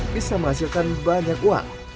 bisa menghasilkan banyak uang